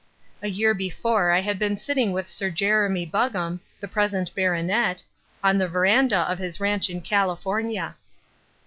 A year before I had been sitting with Sir Jeremy Buggam, the present baronet, on the verandah of his ranch in California.